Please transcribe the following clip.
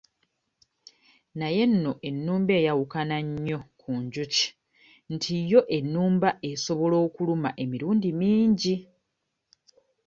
Naye nno ennumba eyawukana nnyo ku njuki nti yo ennumba esobola okuluma emirundi mingi.